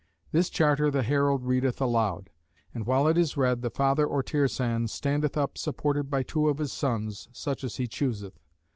This charter the herald readeth aloud; and while it is read, the father or Tirsan standeth up supported by two of his sons, such as he chooseth.